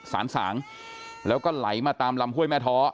สารสางแล้วก็ไหลมาตามลำห้วยแม่ท้อ